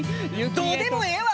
どうでもええわ！